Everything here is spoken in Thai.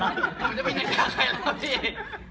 อันนั้นไม่มีนัยยาวอีหรอกพี่